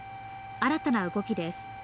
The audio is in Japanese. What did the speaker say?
新たな動きです。